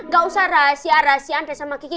gak usah rahasia rahasian deh sama gigi